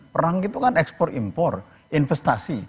perang itu kan ekspor impor investasi